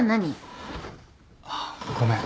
あっごめん。